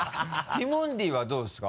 ティモンディはどうですか？